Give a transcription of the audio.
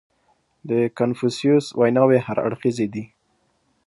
• د کنفوسیوس ویناوې هر اړخیزې دي.